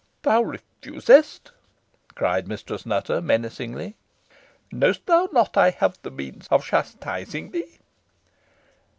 "Thou refusest!" cried Mistress Nutter, menacingly. "Knows't thou not I have the means of chastising thee?"